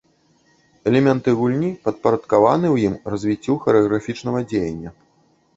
Элементы гульні падпарадкаваны ў ім развіццю харэаграфічнага дзеяння.